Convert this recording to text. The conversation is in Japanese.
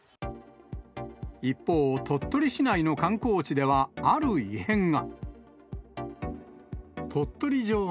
一方、鳥取市内の観光地ではある異変が。